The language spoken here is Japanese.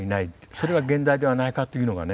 それが現代ではないかというのがね